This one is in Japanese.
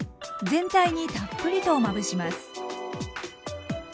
全体にたっぷりとまぶします。